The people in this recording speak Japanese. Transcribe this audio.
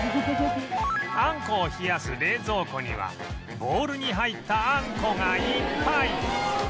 あんこを冷やす冷蔵庫にはボウルに入ったあんこがいっぱい！